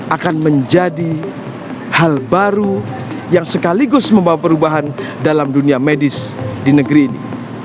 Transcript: akan menjadi hal baru yang sekaligus membawa perubahan dalam dunia medis di negeri ini